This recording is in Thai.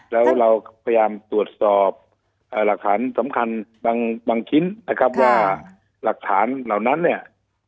แล้วเราพยายามตรวจสอบหลักฐานสำคัญบางชิ้นนะครับว่าหลักฐานเหล่านั้นเนี่ย